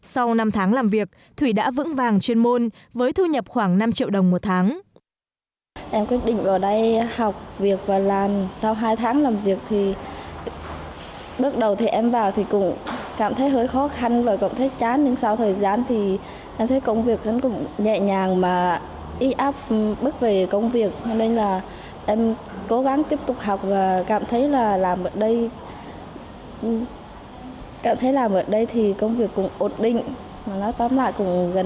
sau năm tháng làm việc thủy đã vững vàng chuyên môn với thu nhập khoảng năm triệu đồng một tháng